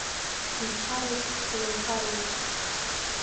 Изҳароуп, дуаҩхароуп.